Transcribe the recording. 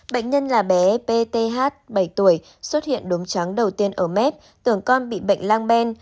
bệnh nhân là bé pch bảy tuổi xuất hiện đốm trắng đầu tiên ở mép tưởng con bị bệnh lang ben